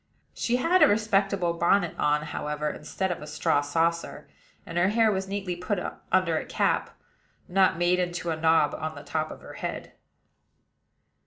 She had a respectable bonnet on, however, instead of a straw saucer; and her hair was neatly put under a cap, not made into a knob on the top of her head.